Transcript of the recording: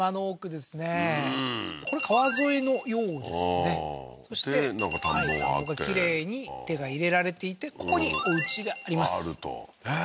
これ川沿いのようですねでなんか田んぼがあってきれいに手が入れられていてここにおうちがありますあるとええー